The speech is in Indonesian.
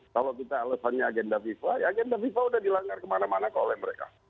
kalau kita alasannya agenda fifa ya agenda fifa sudah dilanggar kemana mana ke oleh mereka